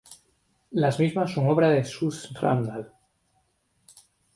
Las mismas son obra de Suze Randall.